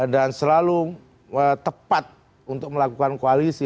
dan selalu tepat untuk melakukan koalisi